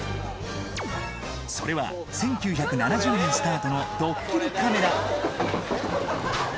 それは１９７０年スタートのどっきりカメラ。